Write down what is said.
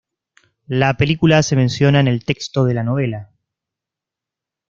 La película se menciona en el texto de la novela.